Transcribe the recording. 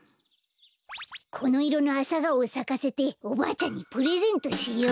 このいろのアサガオをさかせておばあちゃんにプレゼントしよう。